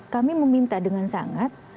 kami meminta dengan sangat